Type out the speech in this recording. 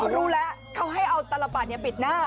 รู้แล้วเขาให้เอาตลปัดปิดหน้า